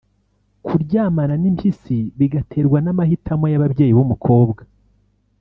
“kuryamana n’impyisi” bigaterwa n’amahitamo y’ababyeyi b’umukobwa